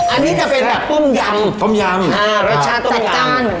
อันนี้จะเป็นแบบต้มยำต้มยำฮ่ารสชาตุต้มยำจัดจ้านเหมือนกัน